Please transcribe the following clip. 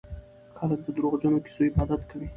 خلک د دروغجنو کيسو عبادت کوي.